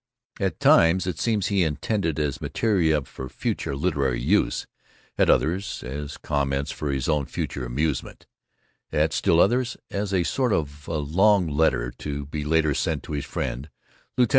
At times it seems intended as materia for future literary use; at others, as comments for his own future amusement; at still others, as a sort of long letter to be later sent to his friend, Lieut.